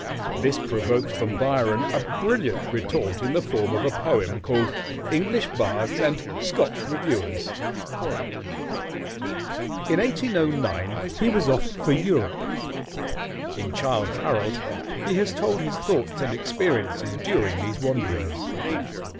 This provoked from Byron a brilliant retort in the form of a poem called "English Bards and Scotch Reviewers." In 1809 he was off for Europe. In "Childe Harold" he has told his thoughts and experiences during these wanderings.